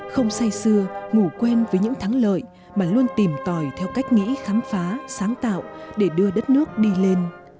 không say xưa ngủ quen với những thắng lợi mà luôn tìm tòi theo cách nghĩ khám phá sáng tạo để đưa đất nước đi lên